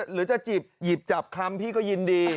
หรือจะหยิบหยิบจับคำพี่ก็ยินดี